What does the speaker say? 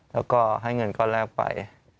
แล้วก็ให้เงินก้อนแรกไป